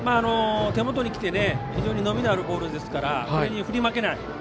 手元にきて非常に伸びのあるボールですからこれに振り負けない。